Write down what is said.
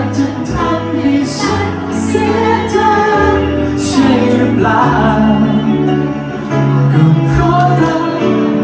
แต่ฉันเข้าใจถ้าฉันไม่บอกร้าย